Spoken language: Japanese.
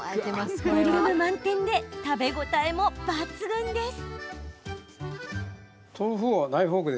ボリューム満点で食べ応えも抜群です。